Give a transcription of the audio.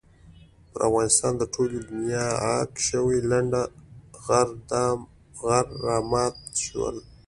پر افغانستان د ټولې دنیا عاق شوي لنډه غر را مات شول.